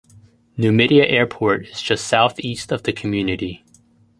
Numidia Airport is just southeast of the community.